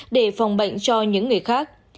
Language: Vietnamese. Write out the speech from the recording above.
để phòng bệnh cho những người khác